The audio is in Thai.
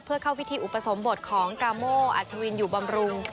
เพื่อเข้าพิธีอุปสมบทของกาโม่อัชวินอยู่บำรุง